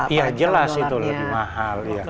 iya jelas itu lebih mahal ya